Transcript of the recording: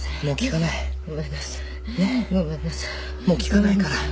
もう聞かないねっ